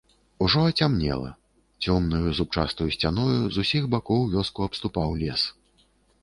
Ужо ацямнела, цёмнаю зубчастаю сцяною з усіх бакоў вёску абступаў лес.